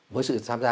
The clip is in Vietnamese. với sự tham gia